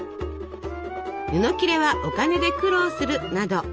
布切れはお金で苦労するなど。